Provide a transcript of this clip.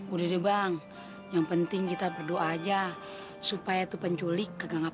udah deh bang yang penting kita berdoa aja supaya itu penculik gak ngapa ngapain anak abang